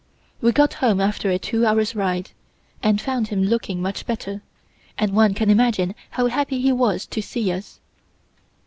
We got home after a two hours' ride, and found him looking much better, and one can imagine how happy he was to see us.